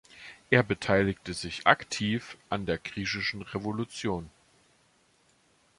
Er beteiligte sich aktiv an der Griechischen Revolution.